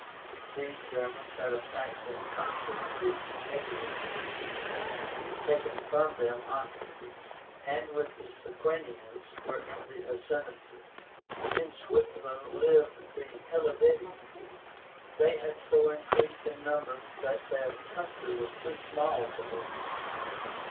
These Germans had attacked and conquered the Aeduans, taken from them hostages, and with the Sequanians were in the ascendency. In Switzerland lived the HELVETII. They had so increased in numbers that their country was too small for them.